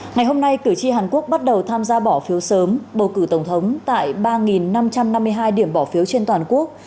ngày hôm nay cử tri hàn quốc bắt đầu tham gia bỏ phiếu sớm bầu cử tổng thống tại ba năm trăm năm mươi hai điểm bỏ phiếu trên toàn quốc